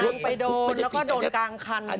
นางไปโดนและโดนกางคัน